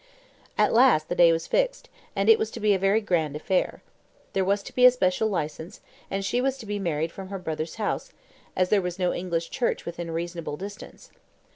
At last the day was fixed, and it was to be a very grand affair. There was to be a special licence, and she was to be married from her brother's house, as there was no English church within reasonable distance.